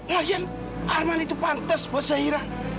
lagian arman itu pantes buat zaira